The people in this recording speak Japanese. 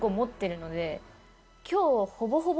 今日。